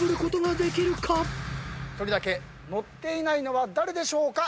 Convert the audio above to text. １人だけ乗っていないのは誰でしょうか？